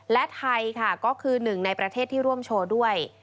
และไทยค่ะก็คือหนึ่งในประเทศที่ร่วมโชว์ด้วย